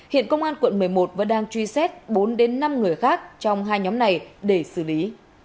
hiện công an quận một mươi một vẫn đang truy xét bốn đến năm người khác trong hai nhóm này để xử lý